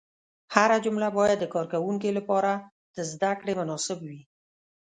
هره جمله باید د کاروونکي لپاره د زده کړې مناسب وي.